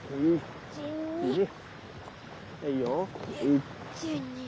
いいよ。